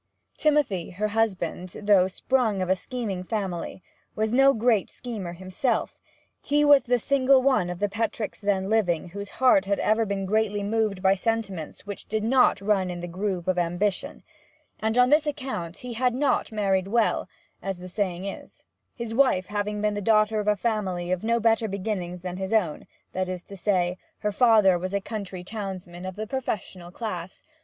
Timothy, her husband, through sprung of a scheming family, was no great schemer himself; he was the single one of the Petricks then living whose heart had ever been greatly moved by sentiments which did not run in the groove of ambition; and on this account he had not married well, as the saying is; his wife having been the daughter of a family of no better beginnings than his own; that is to say, her father was a country townsman of the professional class.